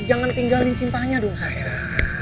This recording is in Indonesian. jangan tinggalin cintanya dong saya